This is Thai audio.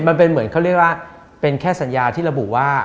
มันเป็นเหมือนเขาเรียกว่าเป็นแค่สัญญาที่ระบุว่า